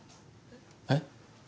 えっ？